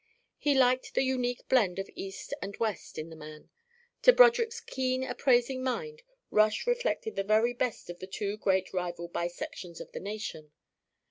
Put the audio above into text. He liked the unique blend of East and West in the man; to Broderick's keen appraising mind Rush reflected the very best of the two great rival bisections of the nation.